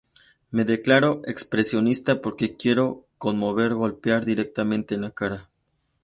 Me declaro expresionista porque quiero conmover, golpear directamente en la cara.